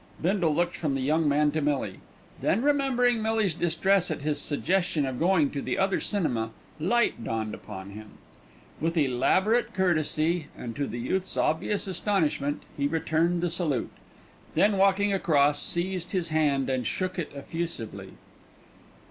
Bindle looked from the young man to Millie, then remembering Millie's distress at his suggestion of going to the other cinema, light dawned upon him. With elaborate courtesy, and to the youth's obvious astonishment, he returned the salute, then walking across seized his hand and shook it effusively.